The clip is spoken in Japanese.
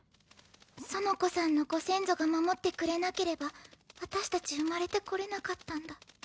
園子さんのご先祖が守ってくれなければ私たち生まれてこれなかったんだ。